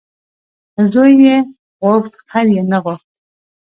ـ زوی یې غوښت خیر یې نه غوښت .